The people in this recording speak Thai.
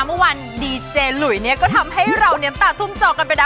เมื่อวานดีเจลุยเนี่ยก็ทำให้เราเนี๊ยมตาทุ่มจอกกันไปนะ